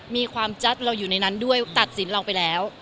มีความจัดเราอยู่ในนั้นด้วยตัดสินเราไปแล้ว